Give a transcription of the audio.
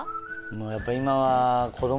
やっぱり今は。